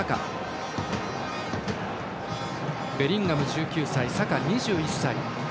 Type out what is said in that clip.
ベリンガム、１９歳サカ、２１歳。